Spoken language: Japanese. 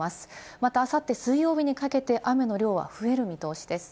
また、あさって水曜日にかけて雨の量は増える見通しです。